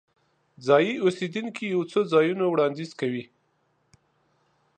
ځایي اوسیدونکي یو څو ځایونه وړاندیز کوي.